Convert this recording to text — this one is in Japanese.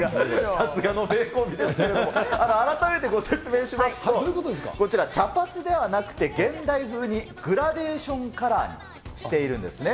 さすがの名コンビですけれど改めてご説明しますと、こちら茶髪ではなくて、現代風にグラデーションカラーにしているんですね。